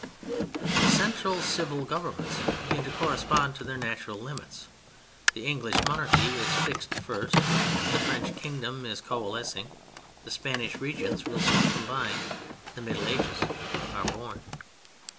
The central civil governments begin to correspond to their natural limits, the English monarchy is fixed first, the French kingdom is coalescing, the Spanish regions will soon combine. The Middle Ages are born.